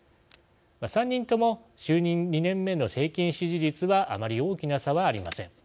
３人とも就任２年目の平均支持率はあまり大きな差はありません。